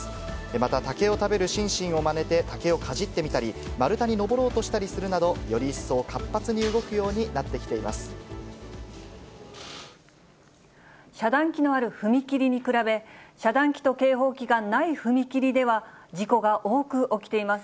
また竹を食べるシンシンをまねて竹をかじってみたり、丸太に登ろうとしたりするなど、より一層、活発に動くようになっ遮断機のある踏切に比べ、遮断機と警報機がない踏切では、事故が多く起きています。